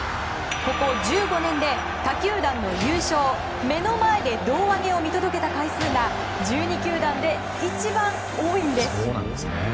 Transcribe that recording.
ここ１５年で他球団の優勝目の前で胴上げを見届けた回数が１２球団で一番多いんです。